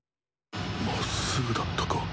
まっすぐだったか？